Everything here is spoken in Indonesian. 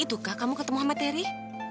tentukah kamu ketemu sama terry